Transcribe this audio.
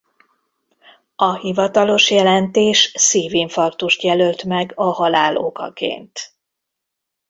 A hivatalos jelentés szívinfarktust jelölt meg a halál okaként.